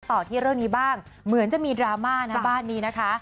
ต่อที่เรื่องนี้บ้างเหมือนจะมีดราม่านะบ้านนี้นะคะ